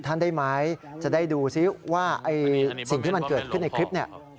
ท่านได้ไหมจะได้ดูซิว่าสิ่งที่มันเกิดขึ้นในคลิปเนี่ย